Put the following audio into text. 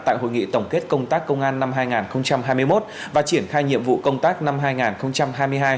tại hội nghị tổng kết công tác công an năm hai nghìn hai mươi một và triển khai nhiệm vụ công tác năm hai nghìn hai mươi hai